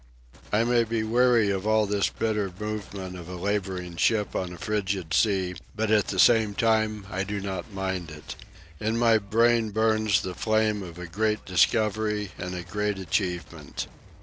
I may be weary of all this bitter movement of a labouring ship on a frigid sea, but at the same time I do not mind it. In my brain burns the flame of a great discovery and a great achievement.